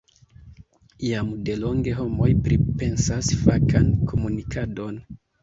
Jam delonge homoj pripensas fakan komunikadon.